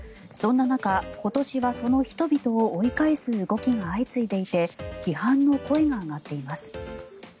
そんな中、今年はその人々を追い返す動きが相次いでいて批判の声が上がっています。